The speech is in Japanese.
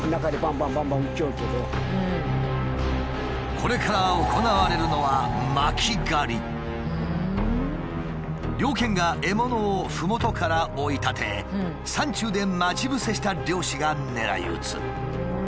これから行われるのは猟犬が獲物をふもとから追い立て山中で待ち伏せした猟師が狙い撃つ。